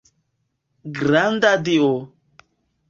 Granda Dio!